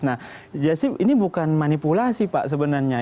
nah ini bukan manipulasi pak sebenarnya